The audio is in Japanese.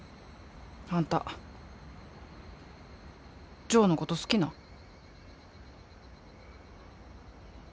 あんたジョーのこと好きなん？